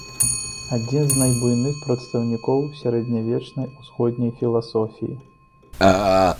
Адзін з найбуйных прадстаўнікоў сярэднявечнай усходняй філасофіі.